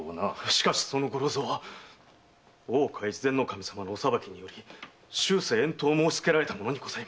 しかしその五六蔵は大岡越前守様のお裁きにより終生遠島を申しつけられた者。